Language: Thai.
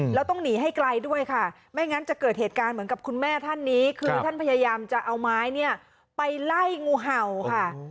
แล้วต้องหนีให้ไกลด้วยค่ะไม่งั้นจะเกิดเหตุการณ์เหมือนกับคุณแม่ท่านนี้คือท่านพยายามจะเอาไม้เนี่ยไปไล่งูเห่าค่ะ